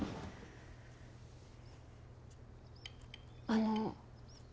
あの。